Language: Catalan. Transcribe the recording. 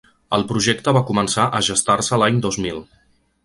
El projecte va començar a gestar-se l’any dos mil.